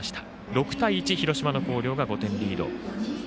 ６対１広島の広陵高校がリード。